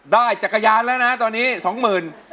ได้จักรยานแล้วนะตอนนี้๒๐๐๐๐บาท